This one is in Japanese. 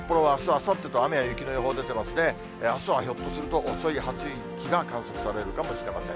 あすはひょっとすると、遅い初雪が観測されるかもしれません。